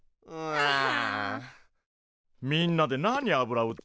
ああ。